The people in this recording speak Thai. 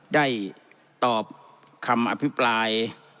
ได้ตอบคำอภิปราย